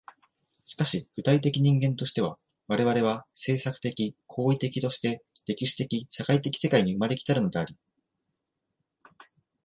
しかし具体的人間としては、我々は制作的・行為的として歴史的・社会的世界に生まれ来たるのであり、